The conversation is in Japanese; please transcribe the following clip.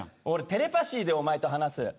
俺テレパシーでお前と話す。